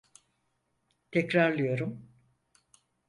Tekrarlıyorum.